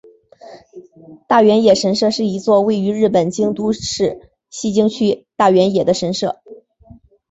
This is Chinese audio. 大原野神社是一座位于日本京都市西京区大原野的神社。